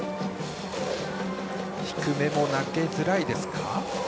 低めも投げづらいですか？